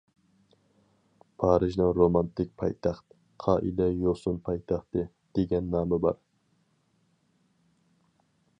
پارىژنىڭ‹‹ رومانتىك پايتەخت››،‹‹ قائىدە- يوسۇن پايتەختى›› دېگەن نامى بار.